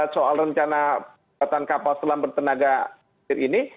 soal rencana pembuatan kapal selam bertenaga utir ini